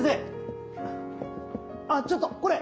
あっちょっとこれ！